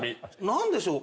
何でしょう？